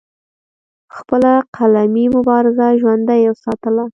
خپله قلمي مبارزه ژوندۍ اوساتله